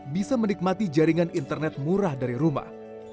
bisa menikmati jaringan internet murah dari rumah